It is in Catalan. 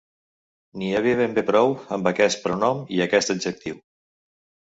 N'hi havia ben bé prou amb aquest pronom i aquest adjectiu.